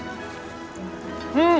うん！